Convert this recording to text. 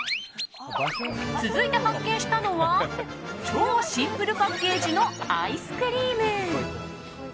続いて発見したのは超シンプルパッケージのアイスクリーム。